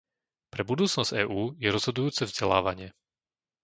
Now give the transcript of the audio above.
Pre budúcnosť EÚ je rozhodujúce vzdelávanie.